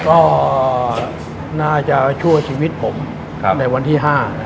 ก็น่าจะช่วยชีวิตผมในวันที่๕